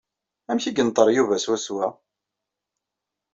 Amek i yenṭerr Yuba swaswa?